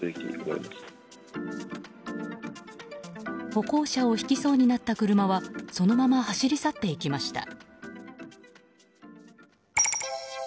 歩行者をひきそうになった車はそのまま走り去っていきました。